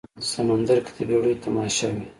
سمندر کې د بیړیو تماشا وي